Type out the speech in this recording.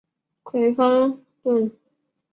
葵芳邨。